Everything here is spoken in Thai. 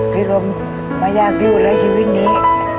คิดว่ามันยากอยู่แล้วชีวิตนี้